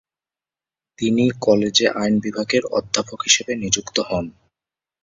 তিনি কলেজে আইন বিভাগের অধ্যাপক হিসেবে নিযুক্ত হন।